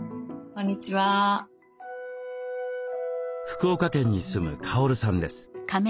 福岡県に住むカオルさんです。